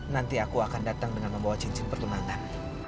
nanti aku akan datang dengan membawa cincin pertemanan